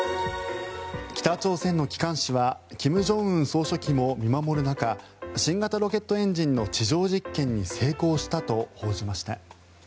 北朝鮮の機関紙は金正恩総書記も見守る中新型ロケットエンジンの地上実験に成功したと報じました。